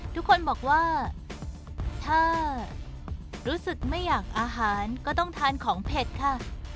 ทุกคนบอกว่าถ้ารู้สึกไม่อยากอาหารก็ต้องทานของเผ็ดค่ะ